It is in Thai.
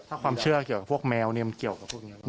ถ้าความเชื่อเกี่ยวกับพวกแมวเนี่ยมันเกี่ยวกับพวกนี้